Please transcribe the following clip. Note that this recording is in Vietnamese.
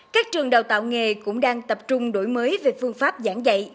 các trường đào tạo nghề cũng đang tập trung đổi mới về phương pháp giảng dạy